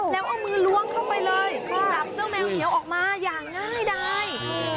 แล้วเอามือล้วงเข้าไปเลยจับเจ้าแมวเหมียวออกมาอย่างง่ายได้